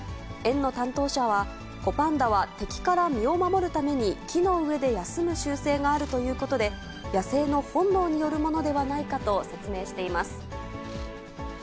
園の担当者は、子パンダは敵から身を守るために木の上で休む習性があるということで、野生の本能によるものではないかと説明しています。